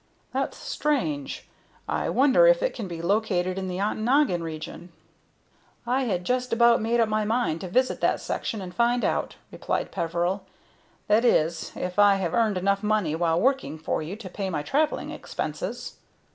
"That's strange! I wonder if it can be located in the Ontonagon region?" "I had just about made up my mind to visit that section and find out," replied Peveril. "That is, if I have earned enough money while working for you to pay my travelling expenses."